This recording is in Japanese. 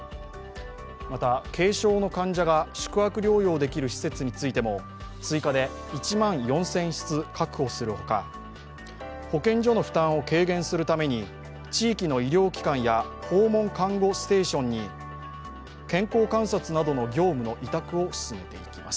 また、軽症の患者が宿泊療養できる施設についても追加で１万４０００室確保するほか保健所の負担を軽減するために地域の医療機関や訪問看護ステーションに健康観察などの業務の委託を進めていきます。